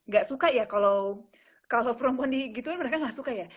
gak suka ya kalau perempuan di gitu kan mereka nggak suka ya